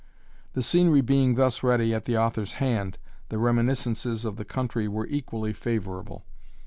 The scenery being thus ready at the author's hand, the reminiscences of the country were equally favourable.